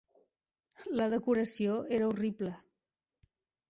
La decoració era horrible.